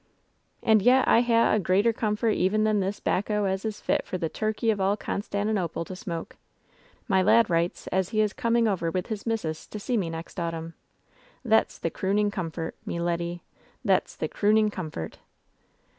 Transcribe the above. "And yet I ha' a greater comfort even than this 'bacco as is fit for the Turkey of All Constantinople to smoke. My lad writes as he is coming over with his missus to see me next autumn. Thet's the crooning comfort, me leddy — ^thet's the crooning comfort